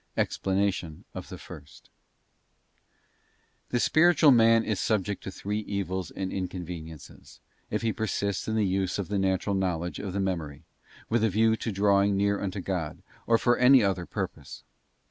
Ex planation of the first, : TuE spiritual man is subject to three evils and inconveniences, if he persists in the use of the natural knowledge of the Memory, with a view to drawing near unto God, or for any other purpose.